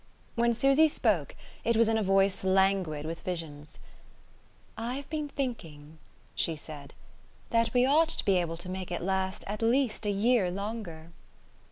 When Susy spoke it was in a voice languid with visions. "I have been thinking," she said, "that we ought to be able to make it last at least a year longer."